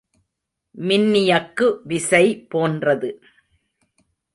மின்னியக்கு விசை போன்றது.